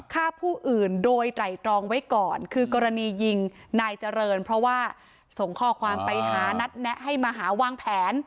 ฆ่าผู้อื่นโดยไตรตรองไว้ก่อนคือกรณียิงนายเจริญเพราะว่าส่งข้อความไปหานัดแนะให้มาหาวางแผน